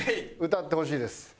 歌ってほしいです。